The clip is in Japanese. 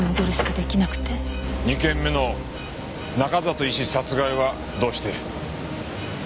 ２件目の中里医師殺害はどうして？